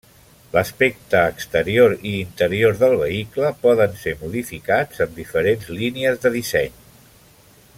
L'aspecte exterior i interior del vehicle poden ser modificats amb diferents línies de disseny.